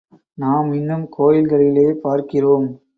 நாம் இன்னும் கோயில்களிலே பார்க்கிறோம்.